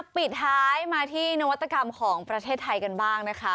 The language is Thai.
ปิดท้ายมาที่นวัตกรรมของประเทศไทยกันบ้างนะคะ